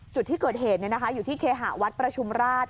จุดที่เกิดเหตุอยู่ที่เคหะวัดประชุมราช